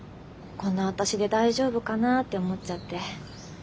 こんな私で大丈夫かなって思っちゃって。